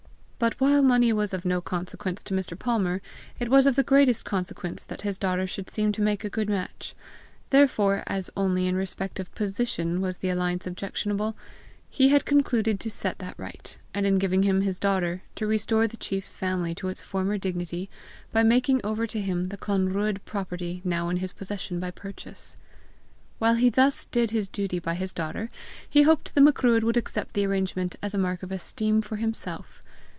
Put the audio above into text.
But while money was of no con sequence to Mr. Palmer, it was of the greatest consequence that his daughter should seem to make a good match; therefore, as only in respect of POSITION was the alliance objectionable, he had concluded to set that right, and in giving him his daughter, to restore the chief's family to its former dignity, by making over to him the Clanruadh property now in his possession by purchase. While he thus did his duty by his daughter, he hoped the Macruadh would accept the arrangement as a mark of esteem for himself.